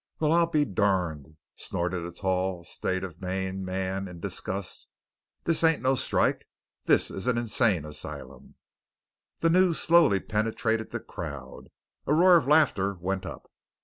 "Wall, I'll be durned!" snorted a tall state of Maine man in disgust. "This ain't no strike! This is an insane asylum." The news slowly penetrated the crowd. A roar of laughter went up.